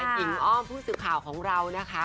หญิงอ้อมผู้สื่อข่าวของเรานะคะ